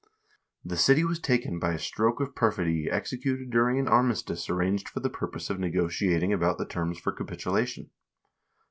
The city was taken by a stroke of perfidy executed during an armi stice arranged for the purpose of negotiating about the terms for capitulation.